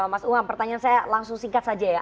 mas umam pertanyaan saya langsung singkat saja ya